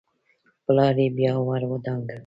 پلار يې بيا ور ودانګل.